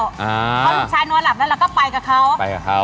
พอหลุดชายนอนหลับแล้วเราก็ไปกับเขา